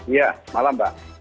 iya malam mbak